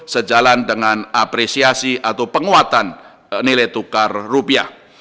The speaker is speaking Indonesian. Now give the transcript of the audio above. sejalan dengan apresiasi atau penguatan nilai tukar rupiah